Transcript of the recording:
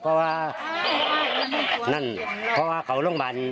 เพราะว่าเข้าโรงแบน๐